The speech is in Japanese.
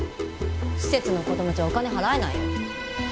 施設の子供じゃお金払えないよ。